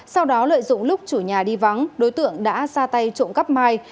sau đó lợi dụng lúc chủ nhà đi vắng đối tượng đã ra tay trộm cắp mai